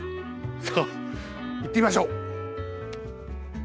さあいってみましょう。